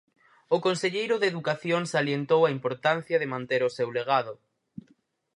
O conselleiro de Educación salientou a importancia de manter o seu legado.